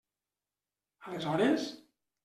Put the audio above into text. Aleshores?